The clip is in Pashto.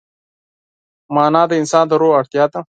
معنی د انسان د روح اړتیا ده.